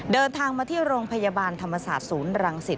เดินทางมาที่โรงพยาบาลธรรมศาสตร์ศูนย์รังสิต